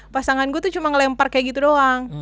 pasangan gue tuh cuma ngelempar kayak gitu doang